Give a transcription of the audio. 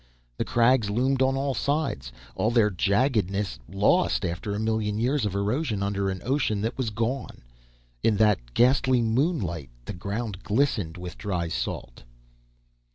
The crags loomed on all sides, all their jaggedness lost after a million years of erosion under an ocean that was gone. In that ghastly moonlight, the ground glistened with dry salt.